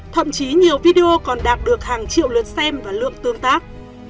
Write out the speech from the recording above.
thậm chí nhiều video còn đạt được hàng triệu lượt xem và lượng tương tác